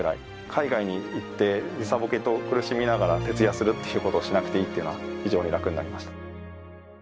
海外に行って時差ボケと苦しみながら徹夜するっていうことをしなくていいっていうのは非常に楽になりました。